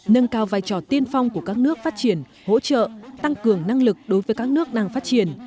nâng cao vai trò tiên phong của các nước phát triển hỗ trợ tăng cường năng lực đối với các nước đang phát triển